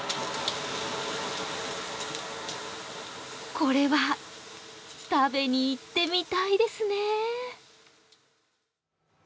これは食べにいってみたいですねぇ。